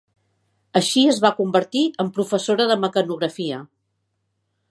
Així es va convertir en professora de mecanografia.